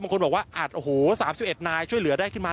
บางคนบอกว่าอาจโอ้โห๓๑นายช่วยเหลือได้ขึ้นมา